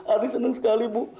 ardi senang sekali bu